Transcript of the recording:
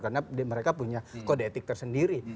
karena mereka punya kode etik tersendiri